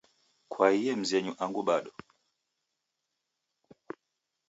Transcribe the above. Kwaaghie mzenyu angu bado?